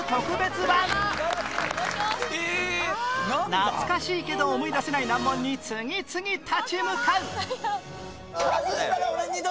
懐かしいけど思い出せない難問に次々立ち向かう